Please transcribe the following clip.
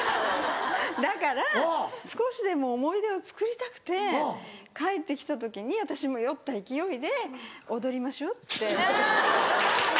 だから少しでも思い出をつくりたくて帰ってきた時に私も酔った勢いで「踊りましょ」って。